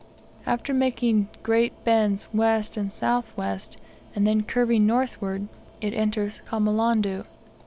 After making great bends west and south west, and then curving northward, it enters Kamolondo.